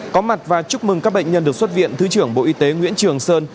có mặt và chúc mừng các bệnh nhân được xuất viện thứ trưởng bộ y tế nguyễn trường sơn